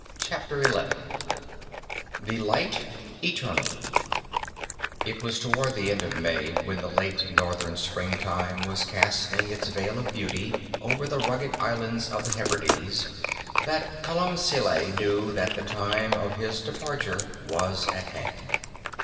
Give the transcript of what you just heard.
CHAPTER XI THE LIGHT ETERNAL IT was towards the end of May, when the late northern springtime was casting its veil of beauty over the rugged islands of the Hebrides, that Columbcille knew that the time of his departure was at hand.